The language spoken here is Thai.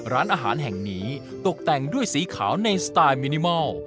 ร้านอาหารแห่งนี้ตกแต่งด้วยสีขาวในสไตล์มินิมอล